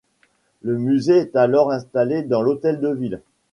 Le musée est alors installé dans l’hôtel de ville.